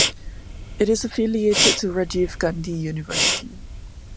It is affiliated to Rajiv Gandhi University.